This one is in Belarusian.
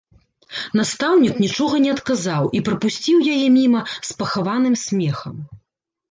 Настаўнік нічога не адказаў і прапусціў яе міма з пахаваным смехам.